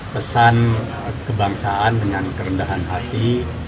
pesan kebangsaan dengan kerendahan hati